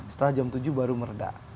setelah jam tujuh baru meredah